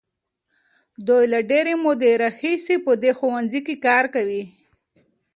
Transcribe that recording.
دوی له ډېرې مودې راهیسې په دې ښوونځي کې کار کوي.